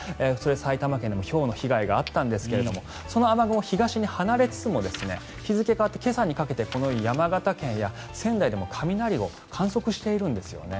埼玉県でもひょうの被害があったんですがその雨雲、東に離れつつも日付が変わって今朝にかけてこのように山形県や仙台でも雷を観測しているんですよね。